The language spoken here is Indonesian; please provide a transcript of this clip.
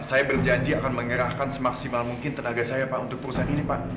saya berjanji akan mengerahkan semaksimal mungkin tenaga saya pak untuk perusahaan ini pak